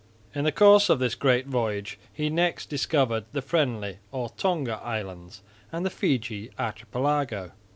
In the course of this great voyage he next discovered the Friendly or Tonga islands and the Fiji archipelago.